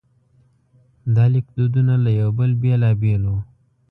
دا لیکدودونه له یو بل بېلابېل وو.